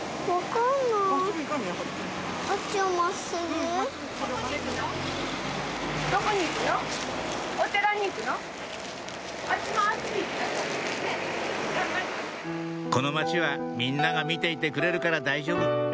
・「この町はみんなが見ていてくれるから大丈夫」